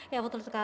ya betul sekali